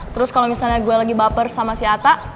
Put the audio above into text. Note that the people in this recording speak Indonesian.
terus kalau misalnya gue lagi baper sama si atta